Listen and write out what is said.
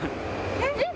えっ？